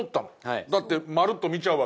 だってまるっと見ちゃうわけだから。